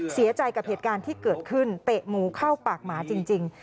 เสียใจกับเหตุการณ์ที่เกิดขึ้นเตะหมูเข้าปากหมาจริง